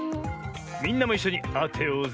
みんなもいっしょにあてようぜ。